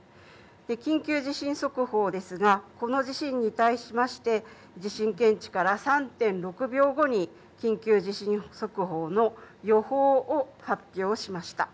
緊急地震速報ですが、この地震に対しまして地震検知から３．６秒後に緊急地震速報の予報を発表しました。